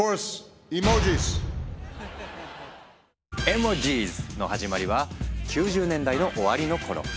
エモジズの始まりは９０年代の終わりの頃。